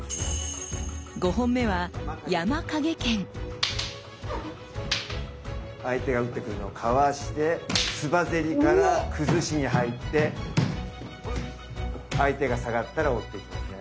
５本目は相手が打ってくるのをかわして鐔ぜりからくずしに入って相手が下がったら追っていきますね。